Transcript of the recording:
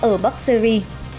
ở bắc syri